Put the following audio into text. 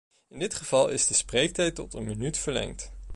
In dit geval is de spreektijd tot een minuut verlengd.